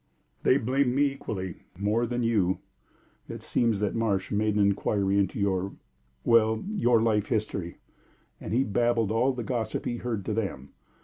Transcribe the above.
"They blame me equally more than you. It seems that Marsh made an inquiry into your well, your life history and he babbled all the gossip he heard to them.